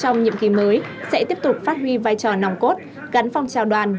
trong nhiệm kỳ mới sẽ tiếp tục phát huy vai trò nòng cốt gắn phong trào đoàn